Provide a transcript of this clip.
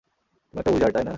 তুমি একটা উইজার্ড, তাই না?